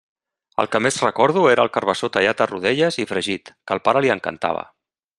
El que més recordo era el carabassó tallat a rodelles i fregit, que al pare li encantava.